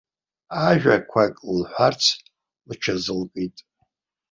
Ажәақәак лҳәарц лҽазылкит.